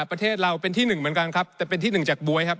ประเทศเราเป็นที่หนึ่งเหมือนกันครับแต่เป็นที่หนึ่งจากบ๊วยครับ